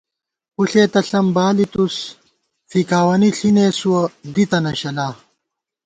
پُݪےتہ ݪم بالِیتُوس ، فِکاوَنی ݪِی نېسُوَہ دِتَنہ شَلا